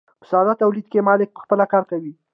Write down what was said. په ساده تولید کې مالک پخپله کار کوي.